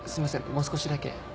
もう少しだけ。